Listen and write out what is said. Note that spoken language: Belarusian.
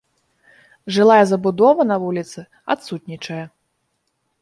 Жылая забудова на вуліцы адсутнічае.